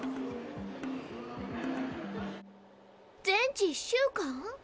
全治１週間？